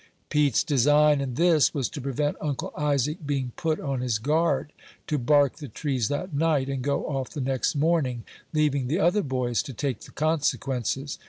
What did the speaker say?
Pete's design in this was to prevent Uncle Isaac being put on his guard, to bark the trees that night, and go off the next morning, leaving the other boys to take the consequences.